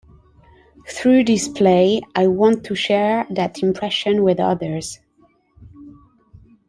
Through this play I want to share that impression with others.